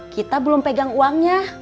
kita belum pegang uangnya